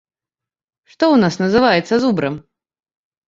Што у нас называецца зубрам!